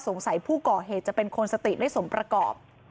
ผู้ก่อเหตุจะเป็นคนสติไม่สมประกอบ